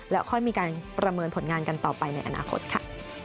แล้วค่อยมีการประเมินผลงานกันต่อไปในอนาคตค่ะ